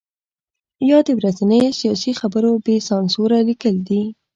یا د ورځنیو سیاسي خبرو بې سانسوره لیکل دي.